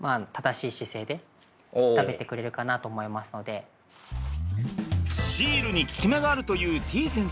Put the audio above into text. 右足と左足シールに効き目があると言うてぃ先生。